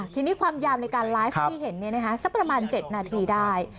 ทีนี้ความยาวในการไลฟ์ที่เห็นสักประมาณ๗นาทีได้